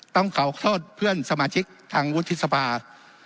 ต้องขอโทษเพื่อนสมาชิกทางวุฒิสภา